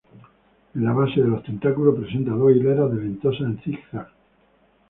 En la base de los tentáculos presenta dos hileras de ventosas en zig-zag.